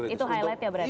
itu highlight ya pak